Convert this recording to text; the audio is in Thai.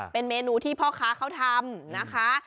เป็นเมนูที่พ่อค้าเขาทำนะคะ